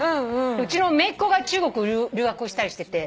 うちのめいっ子が中国留学したりしてて。